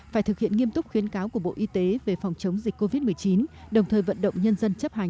phải thực hiện nghiêm túc khuyến cáo của bộ y tế về phòng chống dịch covid một mươi chín đồng thời vận động nhân dân chấp hành